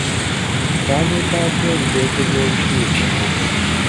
Mpandiika ntya ebiteeso by'olukiiko?